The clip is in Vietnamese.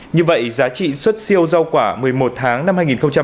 như vậy giá trị xuất siêu rau quả một mươi một tháng năm hai nghìn hai mươi